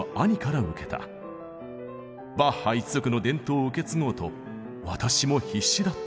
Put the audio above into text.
バッハ一族の伝統を受け継ごうと私も必死だった。